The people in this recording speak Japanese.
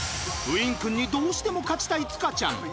ウィンくんにどうしても勝ちたい塚ちゃん。